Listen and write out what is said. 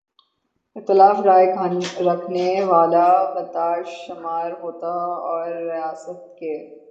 اختلاف رائے رکھنے والا غدار شمار ہوتا اور ریاست کے